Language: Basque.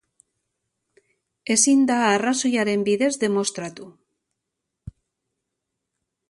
Ezin da arrazoiaren bidez demostratu.